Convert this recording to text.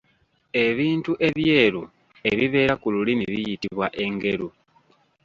Ebintu ebyeru ebibeera ku lulimi biyitibwa engeru.